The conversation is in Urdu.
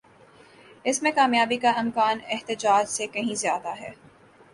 اس میں کامیابی کا امکان احتجاج سے کہیں زیادہ ہے۔